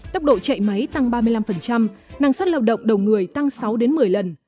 tốc độ chạy máy tăng ba mươi năm năng suất lao động đầu người tăng sáu đến một mươi lần